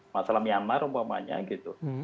masalah myanmar umpamanya gitu